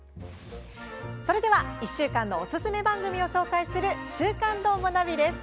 それでは１週間のおすすめ番組を紹介する「週刊どーもナビ」です。